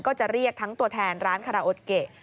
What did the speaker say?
ก็จะเรียกทั้งตัวแทนร้านคาราโอเกะ